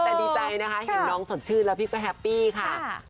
แต่ดีใจนะคะเห็นน้องสดชื่นแล้วพี่ก็แฮปปี้ค่ะ